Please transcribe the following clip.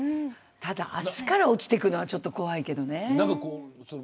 ただ足から落ちてくのは怖いけどね。